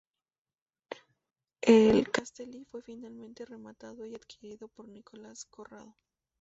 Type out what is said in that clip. El "Castelli" fue finalmente rematado y adquirido por Nicolás Corrado.